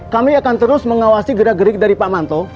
kami akan terus mengawasi gerak gerik dari pak manto